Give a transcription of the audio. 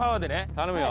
頼むよ。